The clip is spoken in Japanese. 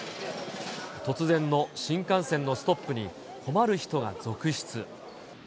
突然の新幹線のストップに困る人が続出。